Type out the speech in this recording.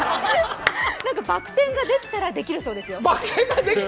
バク転ができたらできるそうですよ。